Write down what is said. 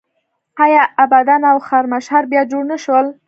آیا ابادان او خرمشهر بیا جوړ نه شول؟